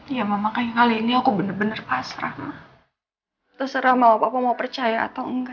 ya mama kali ini aku bener bener pasrah mah terserah mau apa mau percaya atau enggak